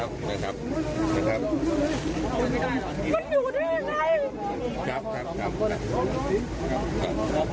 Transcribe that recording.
มันอยู่ด้วยยังไงครับครับครับครับครับครับ